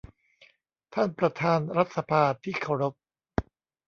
ท่านประธานรัฐสภาที่เคารพ